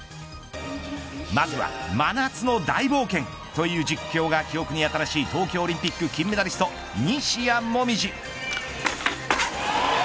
まずは真夏の大冒険という実況が記憶に新しい東京オリンピック金メダリスト西矢椛。